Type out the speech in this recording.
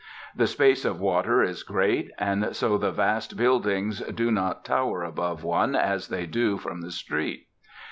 The space of water is great, and so the vast buildings do not tower above one as they do from the street.